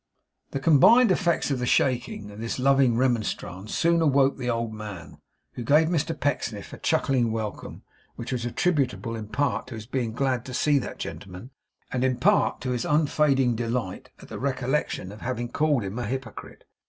The combined effects of the shaking and this loving remonstrance soon awoke the old man, who gave Mr Pecksniff a chuckling welcome which was attributable in part to his being glad to see that gentleman, and in part to his unfading delight in the recollection of having called him a hypocrite.